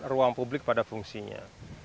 ruang publik pada fungsinya